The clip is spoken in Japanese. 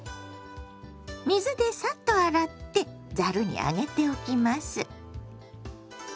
水でサッと洗ってざるに上げておきます。